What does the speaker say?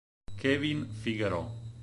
Kevin Figaro